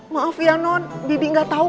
maaf ya non bibik gak tau